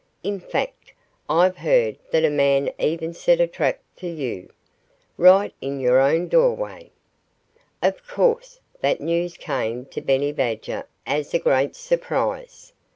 "In fact, I've heard that a man even set a trap for you, right in your own doorway." Of course, that news came to Benny Badger as a great surprise.